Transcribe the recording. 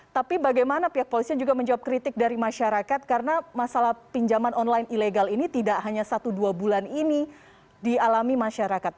tapi bagaimana pihak polisi juga menjawab kritik dari masyarakat karena masalah pinjaman online ilegal ini tidak hanya satu dua bulan ini dialami masyarakat